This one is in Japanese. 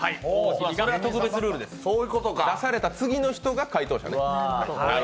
出された次の人が回答者ね。